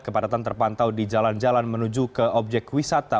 kepadatan terpantau di jalan jalan menuju ke objek wisata